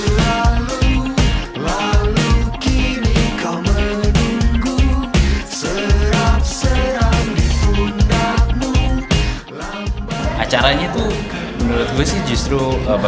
sampaikan mereka barang dan suara